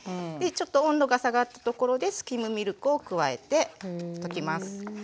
ちょっと温度が下がったところでスキムミルクを加えて溶きます。